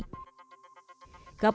kapal selam disegel dengan baut